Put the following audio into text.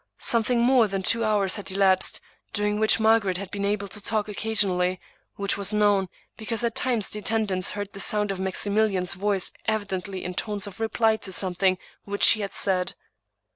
Something more than two hours had elapsed, during which Margaret had been able to talk occasionally, which was known, be cause at times the attendants heard the sound of Maxi milian's voice evidently in tones of reply to something which she had said.